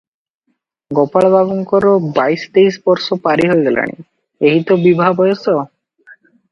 ଗୋପାଳ ବାବୁଙ୍କର ବାଇଶ ତେଇଶ ବର୍ଷ ପାରି ହୋଇଗଲାଣି, ଏହି ତ ବିଭା ବୟସ ।